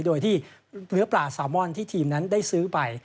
โดยที่เนื้อปลาซาวมอนที่ทีมนั้นได้ซื้อไป